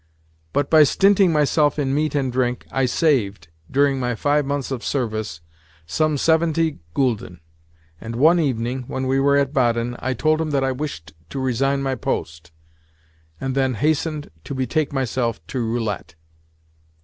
But by stinting myself in meat and drink I saved, during my five months of service, some seventy gülden; and one evening, when we were at Baden, I told him that I wished to resign my post, and then hastened to betake myself to roulette.